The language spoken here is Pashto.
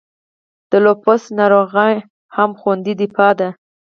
د لوپس ناروغي هم خودي دفاعي ده.